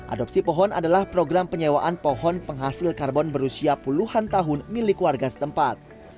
adopsi pohon adalah program penyewaan pohon penghasil karbon berusia puluhan tahun milik warga setempat